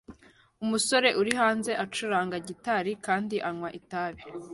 Umusore uri hanze acuranga gitari kandi anywa itabi